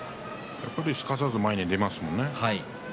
すかさず前に出ますもんね。